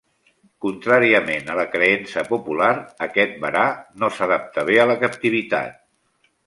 Contràriament a la creença popular, aquest varà no s'adapta bé a la captivitat.